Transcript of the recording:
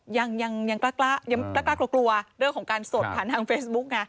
ยังกล้ายังกล้ากลัวกลัวเรื่องของการสดผ่านทางเฟซบุ๊กไง